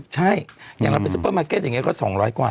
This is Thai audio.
ใช่อย่างเราเป็นซุปเปอร์มาร์เก็ตอย่างนี้ก็๒๐๐กว่า